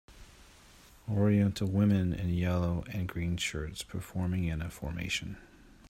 Oriental women in yellow and green shirts performing in a formation.